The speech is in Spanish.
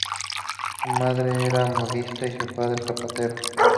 Su madre era modista y su padre zapatero.